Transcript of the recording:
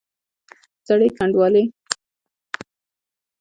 زړې ګنډوالې!